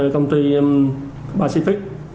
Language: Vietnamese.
công ty pacific